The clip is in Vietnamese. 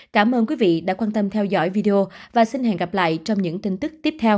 cảm ơn quý vị đã quan tâm theo dõi video và xin hẹn gặp lại trong những tin tức tiếp theo